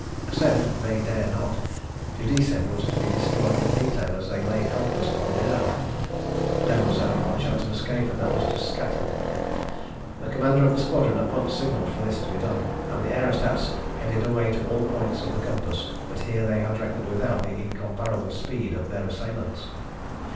Ascend they dare not. To descend was to be destroyed in detail as they lay helpless upon the earth. There was only one chance of escape, and that was to scatter. The commander of the squadron at once signalled for this to be done, and the aerostats headed away to all points of the compass. But here they had reckoned without the incomparable speed of their assailants.